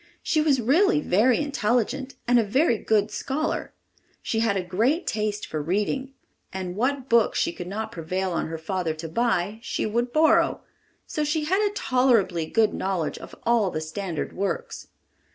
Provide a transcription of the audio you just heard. She was really very intelligent and a very good scholar. She had a great taste for reading, and what books she could not prevail on her father to buy, she would borrow, so she had a tolerably good knowledge of all the standard works.